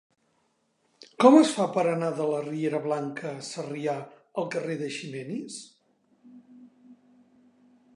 Com es fa per anar de la riera Blanca Sarrià al carrer d'Eiximenis?